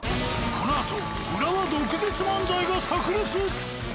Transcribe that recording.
このあと浦和毒舌漫才が炸裂。